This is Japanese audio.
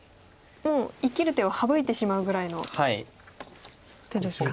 もう生きる手を省いてしまうぐらいの手ですか。